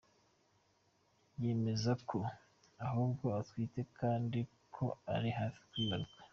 Yemeza ko ahubwo atwite kandi ko ari hafi kwibaruka.